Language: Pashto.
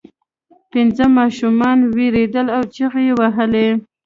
پنځه ماشومان ویرېدل او چیغې یې وهلې.